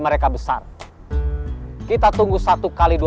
mereka rupanya tidak takut dengan ancaman saya yang sedemikian rupa